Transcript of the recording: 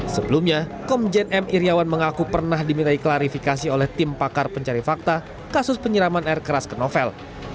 sebelumnya komjen m iryawan mengaku pernah dimintai klarifikasi oleh tim pakar pencari fakta kasus penyiraman air keras ke novel